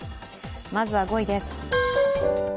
まずは５位です。